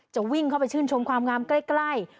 วิ่งเข้าไปชื่นชมความงามใกล้